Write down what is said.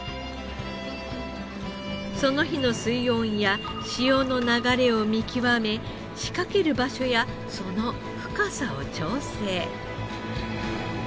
その日の水温や潮の流れを見極め仕掛ける場所やその深さを調整。